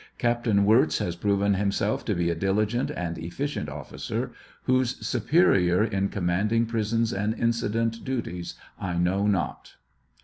Captain Wirz has proven himself to be a diligent and efficient officer, whose superior in commanding prisons and iacident duties I know not.'"'